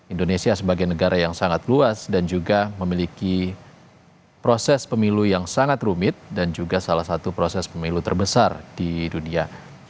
indonesia sebagai negara yang sangat luas dan juga memiliki proses pemilu yang sangat rumit dan juga salah satu proses pemilu terbesar di dunia